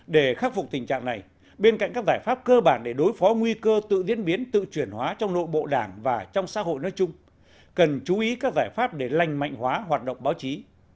để khắc phục tình trạng này bên cạnh các giải pháp cơ bản để đối phó nguy cơ tự diễn biến tự chuyển hóa trong nội bộ đảng và trong xã hội nói chung cần chú ý các giải pháp để lành mạnh hóa hoạt động báo chí